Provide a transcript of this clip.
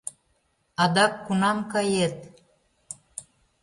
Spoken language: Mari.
Адак кунам кает?